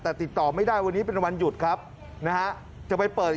แต่ติดต่อไม่ได้วันนี้เป็นวันหยุดครับนะฮะจะไปเปิด